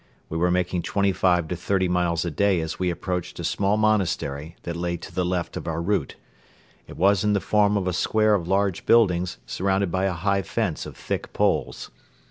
We were making twenty five to thirty miles a day as we approached a small monastery that lay to the left of our route. It was in the form of a square of large buildings surrounded by a high fence of thick poles.